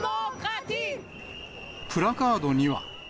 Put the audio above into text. プラカードには。